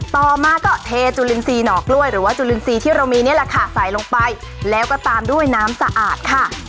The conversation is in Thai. ต่อมาก็เทจุลินทรีย์หน่อกล้วยหรือว่าจุลินทรีย์ที่เรามีนี่แหละค่ะใส่ลงไปแล้วก็ตามด้วยน้ำสะอาดค่ะ